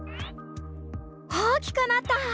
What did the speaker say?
大きくなった！